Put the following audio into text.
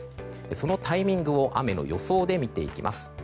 そのタイミングを雨の予想で見ていきます。